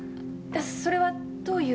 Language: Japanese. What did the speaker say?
それはどういう？